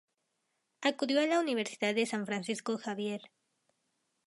Acudió a la universidad de San Francisco Javier.